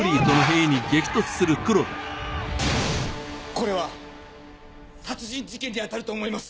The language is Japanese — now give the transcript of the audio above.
これは殺人事件にあたると思います。